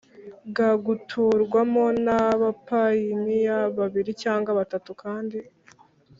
ga guturwamo n abapayiniya babiri cyangwa batatu kandi